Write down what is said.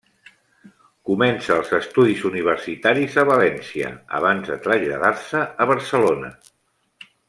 Comença els estudis universitaris a València, abans de traslladar-se a Barcelona.